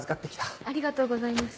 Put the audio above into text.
ありがとうございます。